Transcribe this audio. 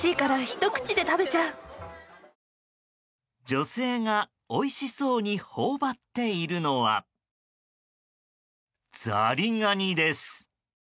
女性がおいしそうに頬張っているのはザリガニです。